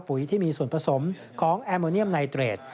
ที่มีส่วนผสมของแอร์โมเนียมไนเตรด